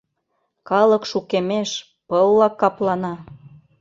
Калык шукемеш, пылла каплана.